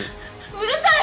うるさい！